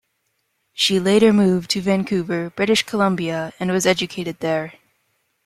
She later moved to Vancouver, British Columbia, and was educated there.